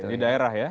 di daerah ya